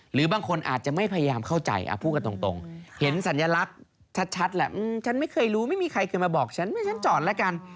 หรือบางคนอาจจะไม่พยายามเข้าใจพูดกันตรงเห็นสัญลักษณ์ชัดแหละฉันไม่เคยรู้ไม่มีใครเคยมาบอกฉันไม่ฉันจอดแล้วกัน